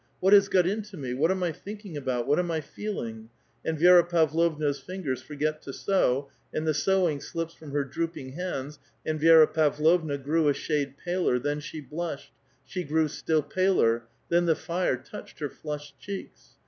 " What has got into me? what am I thinking about? what am I feeling?" and Vi^ra Pavlovna's fingers forget to sew, and the sewing slips from her droopinsr hands, and Vi^ra Pavlovna grew a shade paler, then she blushed ; she grew still paler, then the fire touched her flushed cheeks.